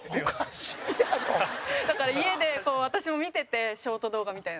吉住：だから、家で、私も見ててショート動画みたいなの。